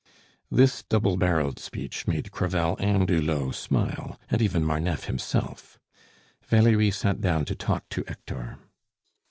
This double barreled speech made Crevel and Hulot smile, and even Marneffe himself. Valerie sat down to talk to Hector.